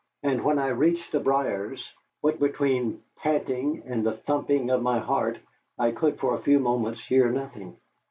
And when I reached the briers, what between panting and the thumping of my heart I could for a few moments hear nothing.